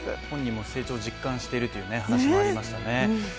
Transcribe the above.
本人も成長を実感しているという話もありましたね。